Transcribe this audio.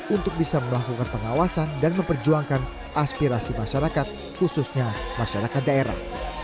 untuk bisa melakukan pengawasan dan memperjuangkan aspirasi masyarakat khususnya masyarakat daerah